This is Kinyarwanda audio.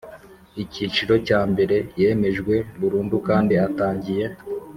Icyiciro cyambere yemejwe burundu kandi atangiye